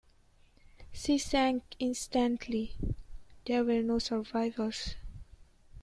She sank instantly; there were no survivors.